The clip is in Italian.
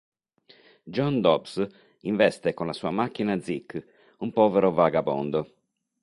John Dobbs investe con la sua macchina Zeke, un povero vagabondo.